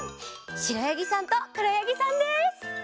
しろやぎさんとくろやぎさんです。